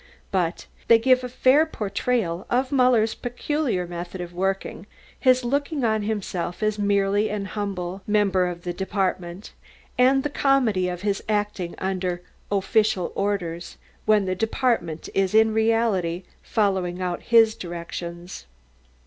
But they give a fair portrayal of Muller's peculiar method of working, his looking on himself as merely an humble member of the Department, and the comedy of his acting under "official orders" when the Department is in reality following out his directions.